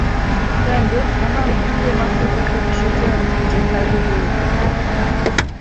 Ben de, "aman, ille masrafa katışacağım!" diyecek halde değildim…